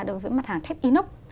đối với mặt hàng thép inox